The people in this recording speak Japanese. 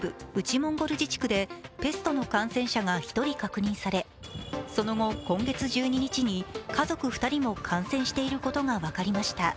モンゴル自治区で、ペストの感染者が１人確認されその後、今月１２日に家族２人も感染していることが分かりました。